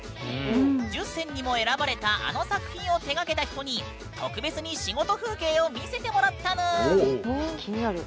１０選にも選ばれたあの作品を手がけた人に特別に仕事風景を見せてもらったぬん。